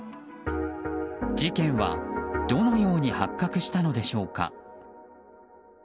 事件はどのように発覚したのでしょうか。